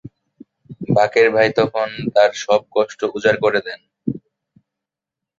বাকের ভাই তখন তার সব কষ্ট উজাড় করে দেন।